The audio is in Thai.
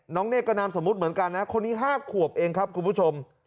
เนธก็นามสมมุติเหมือนกันนะคนนี้๕ขวบเองครับคุณผู้ชม